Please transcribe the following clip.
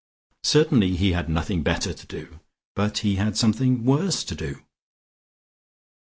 Certainly he had nothing better to do but he had something worse to do....